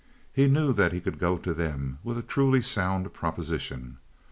He knew that he could go to them with any truly sound proposition.